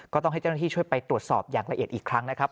ก็ต้องให้เจ้าหน้าที่ช่วยไปตรวจสอบอย่างละเอียดอีกครั้งนะครับ